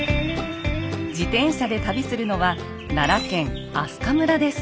自転車で旅するのは奈良県明日香村です。